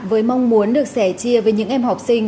với mong muốn được sẻ chia với những em học sinh